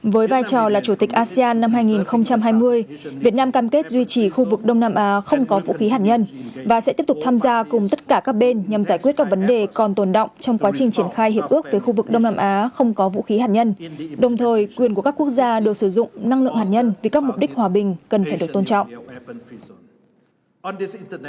với vai trò là chủ tịch asean năm hai nghìn hai mươi việt nam cam kết duy trì khu vực đông nam á không có vũ khí hạt nhân và sẽ tiếp tục tham gia cùng tất cả các bên nhằm giải quyết các vấn đề còn tồn động trong quá trình triển khai hiệp ước về khu vực đông nam á không có vũ khí hạt nhân đồng thời quyền của các quốc gia đều sử dụng năng lượng hạt nhân vì các mục đích hòa bình cần phải được tôn trọng